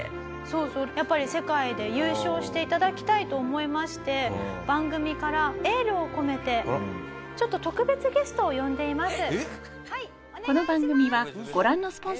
そうそうやっぱり世界で優勝して頂きたいと思いまして番組からエールを込めてちょっと特別ゲストを呼んでいます。